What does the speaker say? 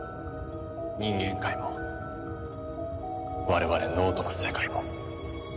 人間界も我々脳人の世界も。